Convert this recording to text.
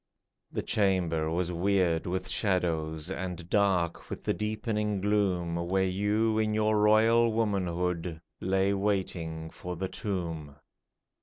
The chamber was weird with shadows And dark with the deepening gloom Where you in your royal womanhood, Lay waiting for the tomb.